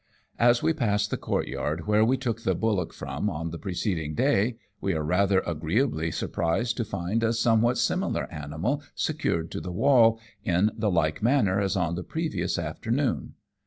As we pass the courtyard where we took the bullock from on the preceding day, we are rather agreeably surprised to find a somewhat similar animal secured to the wall, in the like manner as on the previous after noon.